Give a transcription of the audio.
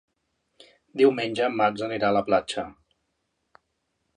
Diumenge en Max anirà a la platja.